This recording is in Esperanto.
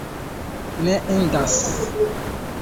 Ne indas.